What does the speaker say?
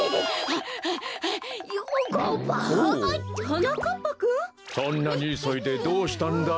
そんなにいそいでどうしたんだい？